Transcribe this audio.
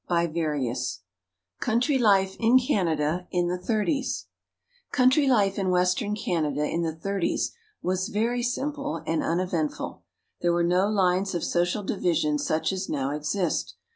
OTTAWA] COUNTRY LIFE IN CANADA IN THE "THIRTIES" Country life in Western Canada in the "Thirties" was very simple and uneventful. There were no lines of social division such as now exist.